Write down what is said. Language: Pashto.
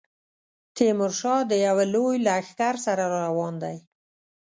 تیمورشاه د یوه لوی لښکر سره را روان دی.